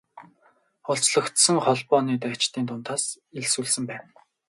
Олзлогдсон холбооны дайчдын дундаас элсүүлсэн байна.